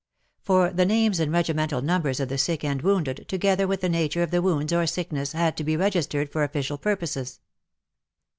For the names and regi mental numbers of the sick and wounded, together with the nature of the wounds or sickness, had to be registered for official purposes.